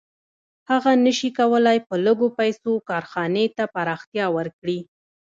هغه نشي کولی په لږو پیسو کارخانې ته پراختیا ورکړي